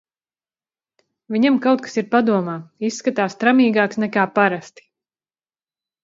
Viņam kaut kas ir padomā, izskatās tramīgāks nekā parasti.